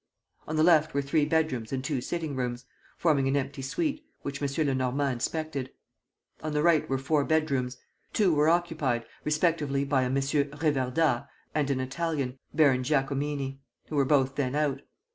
On the left were three bedrooms and two sitting rooms, forming an empty suite, which M. Lenormand inspected. On the right were four bedrooms. Two were occupied respectively by a M. Reverdat and an Italian, Baron Giacomini, who were both then out.